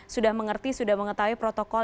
sudah mengerti sudah mengetahui protokol